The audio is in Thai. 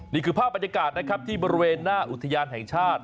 นี่คือภาพบรรยากาศนะครับที่บริเวณหน้าอุทยานแห่งชาติ